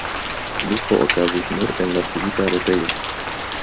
Blufo okazis nur en la Civita retejo.